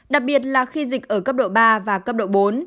đặc biệt là khi dịch ở cấp độ ba và cấp độ bốn